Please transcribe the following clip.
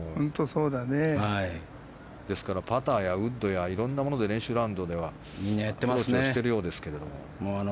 パターやウッドやいろんなもので練習ラウンドでやっているようですけど。